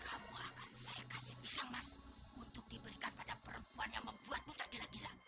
kamu akan saya kasih pisang mas untuk diberikan pada perempuan yang membuatmu tergila gila